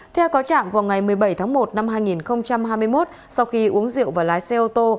theo cáo trạng vào ngày một mươi bảy tháng một năm hai nghìn hai mươi một sau khi uống rượu và lái xe ô tô